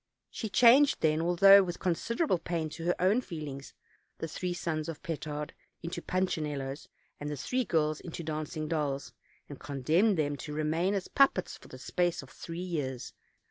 She changed, then, although with considerable pain to her own feelings, the three sons of Petard into punchinellos, and the three girls into dancing dolls, and condemned them to remain as puppets for the space of three years.